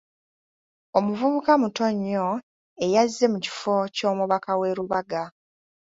Omuvubuka muto nnyo eyazze mu kifo ky'omubaka w'e Rubaga.